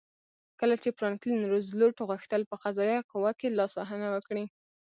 کله چې فرانکلین روزولټ غوښتل په قضایه قوه کې لاسوهنه وکړي.